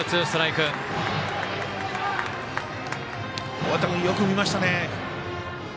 尾形君、よく見ましたね。